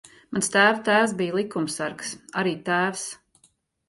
Mans tēva tēvs bija likumsargs. Arī tēvs.